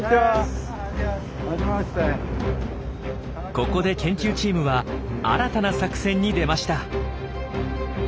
ここで研究チームは新たな作戦に出ました。